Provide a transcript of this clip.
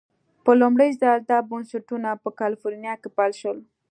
په لومړي ځل دا بنسټونه په کلفورنیا کې پیل شول.